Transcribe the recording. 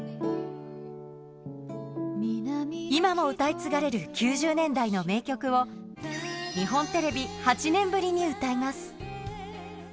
今も歌い継がれる９０年代の名曲を、日本テレビ８年ぶりに歌います。